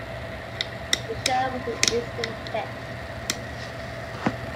The show was an instant hit.